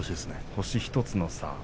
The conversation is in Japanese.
星１つの差